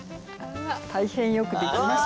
大変よくできました。